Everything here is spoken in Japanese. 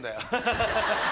ハハハハ。